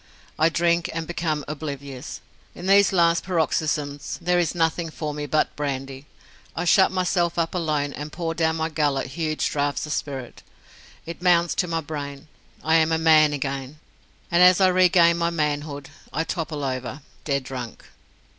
I drink and become oblivious. In these last paroxysms there is nothing for me but brandy. I shut myself up alone and pour down my gullet huge draughts of spirit. It mounts to my brain. I am a man again! and as I regain my manhood, I topple over dead drunk.